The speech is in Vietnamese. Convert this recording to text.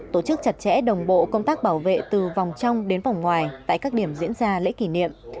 tổ chức chặt chẽ đồng bộ công tác bảo vệ từ vòng trong đến vòng ngoài tại các điểm diễn ra lễ kỷ niệm